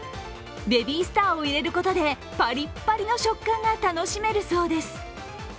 ベビースターを入れることでパリッパリの食感が楽しめるそうです。